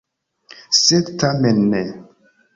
Sed tamen ne!